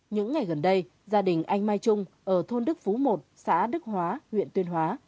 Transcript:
những ngày gần đây gia đình anh mai trung ở thôn đức phú một xã đức hóa huyện tuyên hóa